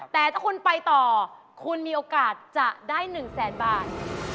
แต่ถ้าคุณไปต่อคุณมีโอกาสจะได้๑แสนบาท